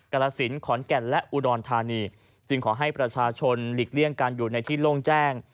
กรสินขอนแก่นและอุดรธานีจึงขอให้ประชาชนหลีกเลี่ยงการอยู่ในที่โล่งแจ้ง